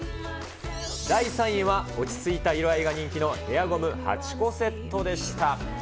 第３位は、落ち着いた色合いが人気のヘアゴム８個セットでした。